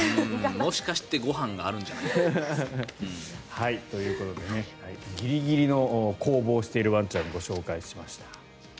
もしかしてご飯があるんじゃないかと。ということでギリギリの攻防をしているワンちゃんをご紹介しました。